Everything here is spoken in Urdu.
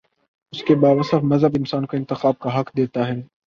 اس کے باوصف مذہب انسان کو انتخاب کا حق دیتا ہے۔